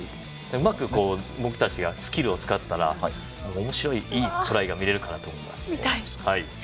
うまくスキルを使ったらおもしろいいいトライが見れると思います。